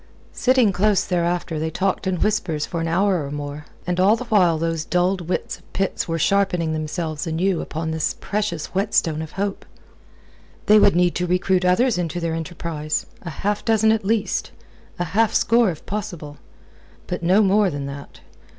Sitting close thereafter they talked in whispers for an hour or more, and all the while those dulled wits of Pitt's were sharpening themselves anew upon this precious whetstone of hope. They would need to recruit others into their enterprise, a half dozen at least, a half score if possible, but no more than that.